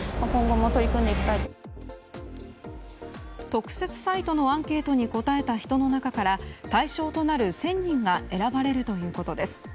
特設サイトのアンケートに答えた人の中から対象となる１０００人が選ばれるということです。